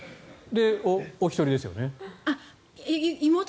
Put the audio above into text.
お一人ですよね。